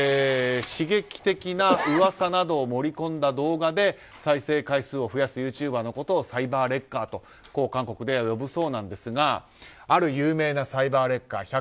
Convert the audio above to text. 刺激的な噂などを盛り込んだ動画で再生回数を増やすユーチューバーをサイバーレッカーと韓国では呼ぶそうなんですがある有名なサイバーレッカー。